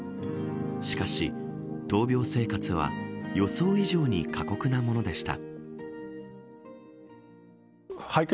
しかし、闘病生活は予想以上に過酷なものでした。